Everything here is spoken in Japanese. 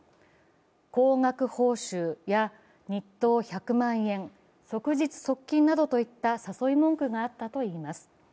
高額報酬や日当１００万円、即日即金などといった誘い文句があったといいます。